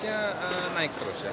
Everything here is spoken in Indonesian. nah naik terus ya